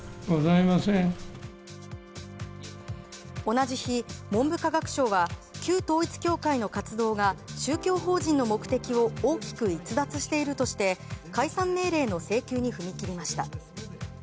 同じ日、文部科学省は旧統一教会の活動が宗教法人の目的を大きく逸脱しているとして解散命令の請求に踏み切りました。